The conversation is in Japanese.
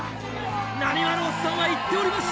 なにわのおっさんは言っておりました。